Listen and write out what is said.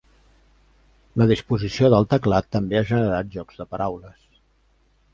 La disposició del teclat també ha generat jocs de paraules.